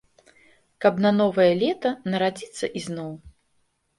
Каб на новае лета нарадзіцца ізноў.